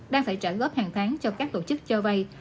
đang phải trả góp hàng tháng cho các tổ chức cho vay